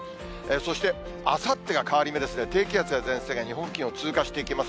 そして、あさってが変わり目ですね、低気圧や前線が日本付近を通過していきます。